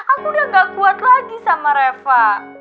aku udah gak kuat lagi sama reva